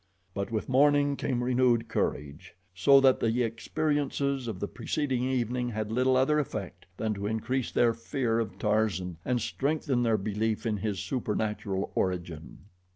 But with morning came renewed courage, so that the experiences of the preceding evening had little other effect than to increase their fear of Tarzan and strengthen their belief in his supernatural origin.